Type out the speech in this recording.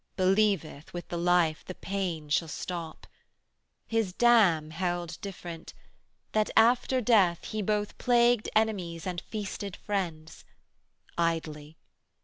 'Believeth with the life, the pain shall stop. 250 His dam held different, that after death He both plagued enemies and feasted friends: Idly!